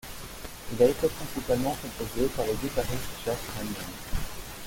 Il a été principalement composé par le guitariste Jeff Hanneman.